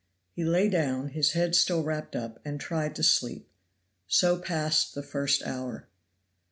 He lay down, his head still wrapped up, and tried to sleep. So passed the first hour.